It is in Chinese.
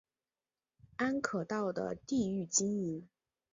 安可道的地域经营。